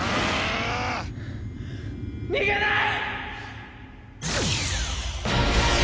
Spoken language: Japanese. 逃げない！